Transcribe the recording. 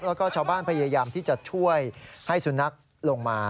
แล้วก็ชาวบ้านพยายามที่จะช่วยให้สุนัขลงมา